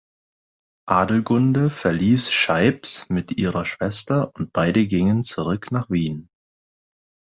Adelgunde verließ Scheibbs mit ihrer Schwester und beide gingen zurück nach Wien.